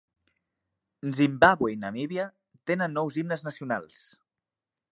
Zimbàbue i Namíbia tenen nous himnes nacionals.